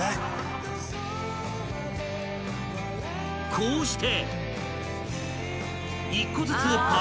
［こうして］